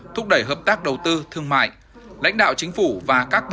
thúc đẩy hợp tác đầu tư thương mại lãnh đạo chính phủ và các bộ